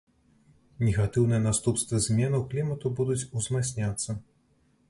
Негатыўныя наступствы зменаў клімату будуць узмацняцца.